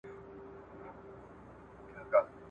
څوک کولای سي د دې درانه پېټي پورته کولو کي راسره مرسته وکړي؟